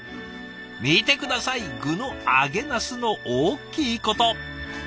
見て下さい具の揚げナスの大きいこと。